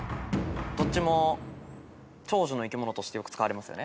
どっちも長寿の生き物としてよく使われますよね。